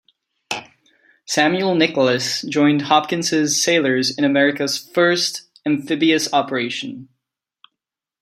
Samuel Nicholas joined Hopkins' sailors in America's first amphibious operation.